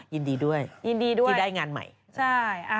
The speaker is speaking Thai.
ยินดีด้วยที่ได้งานใหม่ใช่ยินดีด้วย